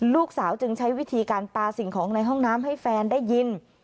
จึงใช้วิธีการปลาสิ่งของในห้องน้ำให้แฟนได้ยิน